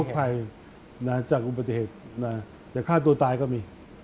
ภัยจากอุบัติเหตุจะฆ่าตัวตายก็มี